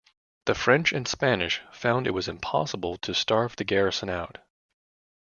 The French and Spanish found it was impossible to starve the garrison out.